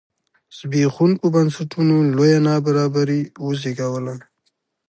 زبېښوونکو بنسټونو لویه نابرابري وزېږوله.